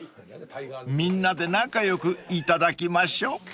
［みんなで仲良く頂きましょう］